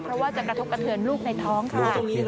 เพราะว่าจะกระทบกระเทือนลูกในท้องค่ะ